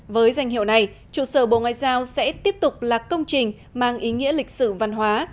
với danh hiệu này trụ sở bộ ngoại giao sẽ tiếp tục là công trình mang ý nghĩa lịch sử văn hóa